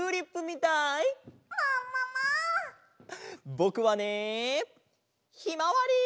ぼくはねひまわり！